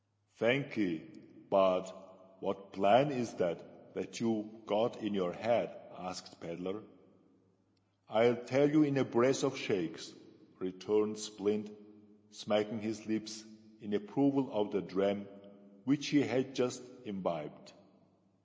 "Thank'ee. But what plan is it that you've got in your head?" asked Pedler. "I'll tell you in a brace of shakes," returned Splint, smacking his lips in approval of the dram which he had just imbibed.